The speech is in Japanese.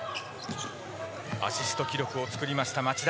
アシスト記録を作った町田。